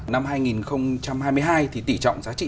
năm hai nghìn hai mươi hai thì tỷ trọng giá trị